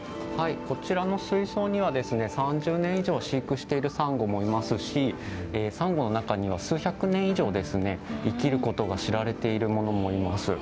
こちらの水槽には３０年以上飼育しているサンゴもいますしサンゴの中には数百年以上ですね生きることが知られているものもいます。